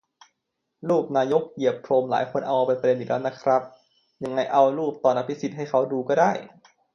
รูปนายกเหยียบพรมหลายคนเอามาเป็นประเด็นอีกแล้วนะครับ ยังไงเอารูปตอนอภิสิทธิ์ให้เค้าดูก็ได้